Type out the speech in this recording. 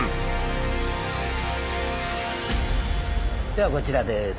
ではこちらです。